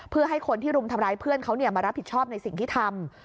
เพื่อให้คนที่รุมทำร้ายเพื่อนเขามารับผิดชอบในสิ่งที่ทำ